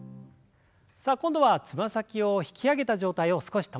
さあ今度はつま先を引き上げた状態を少し保ちます。